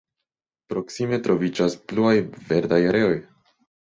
Proksime troviĝas pluaj verdaj areoj.